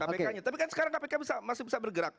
kpk nya tapi kan sekarang kpk masih bisa bergerak